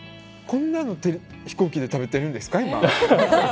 こんなの飛行機で食べているんですか、今。